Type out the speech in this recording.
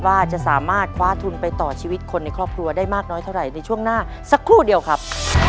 ว่าจะสามารถคว้าทุนไปต่อชีวิตคนในครอบครัวได้มากน้อยเท่าไหร่ในช่วงหน้าสักครู่เดียวครับ